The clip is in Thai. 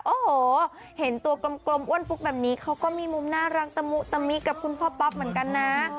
โอ้โหเห็นตัวกลมอ้วนฟุกแบบนี้เขาก็มีมุมน่ารักตะมุตะมิกับคุณพ่อป๊อปเหมือนกันนะ